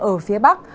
ở phía bắc